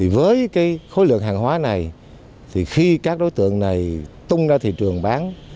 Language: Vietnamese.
với khối lượng hàng hóa này khi các đối tượng này tung ra thị trường bán